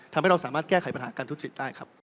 ทำให้เราสามารถแก้ไขปัญหาการทุจริตได้ครับ